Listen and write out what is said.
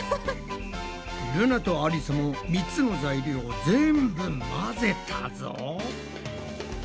ルナとありさも３つの材料を全部混ぜたぞ。